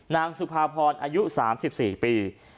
นางสุภาพรอายุ๓๔ปี